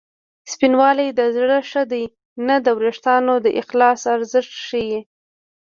سپینوالی د زړه ښه دی نه د وېښتو د اخلاص ارزښت ښيي